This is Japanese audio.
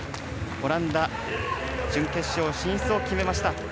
オランダ、準決勝進出を決めました。